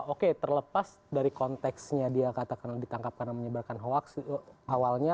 oke terlepas dari konteksnya dia katakanlah ditangkap karena menyebarkan hoax awalnya